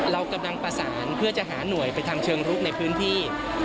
เรากำลังประสานเพื่อจะหาหน่วยไปทำเชิงลุกในพื้นที่